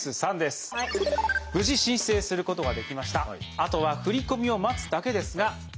あとは振込を待つだけですがで